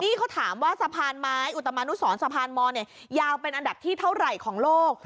นี่เขาถามว่าสะพานไม้อุตมานุสรสะพานมเนี่ยยาวเป็นอันดับที่เท่าไหร่ของโลก